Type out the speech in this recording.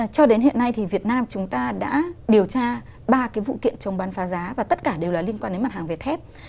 cho đến hiện nay thì việt nam chúng ta đã điều tra ba cái vụ kiện chống bán phá giá và tất cả đều là liên quan đến mặt hàng về thép